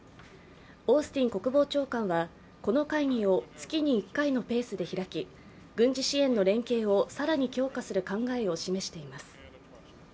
オースティン国防長官は、この会議を月に１回のペースで開き、軍事支援の連携を更に強化する考えを示しています。